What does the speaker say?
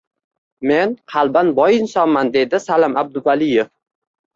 Men qalban boy insonman, — deydi Salim Abduvaliyev